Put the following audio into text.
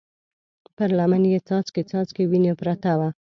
پر لمن يې څاڅکي څاڅکې وينه پرته وه.